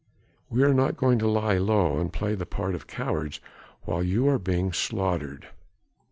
"We are not going to lie low and play the part of cowards while you are being slaughtered."